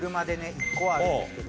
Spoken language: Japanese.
１個はあるんですけど。